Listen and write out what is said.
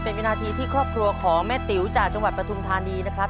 เป็นวินาทีที่ครอบครัวของแม่ติ๋วจากจังหวัดปฐุมธานีนะครับ